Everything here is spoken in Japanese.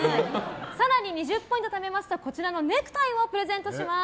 更に２０ポイントためますとこちらのネクタイをプレゼントします。